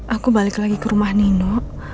aku balik lagi ke rumah nino